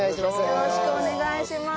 よろしくお願いします。